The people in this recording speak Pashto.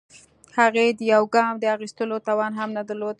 هغې د يوه ګام د اخيستو توان هم نه درلوده.